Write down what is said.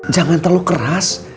jangan terlalu keras